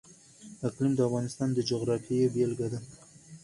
اقلیم د افغانستان د جغرافیې بېلګه ده.